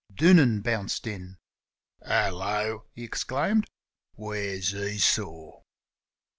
Doonan bounced in. "Hello!" he exclaimed, "where's Esau?"